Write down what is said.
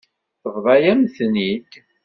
Tebḍa-yam-ten-id.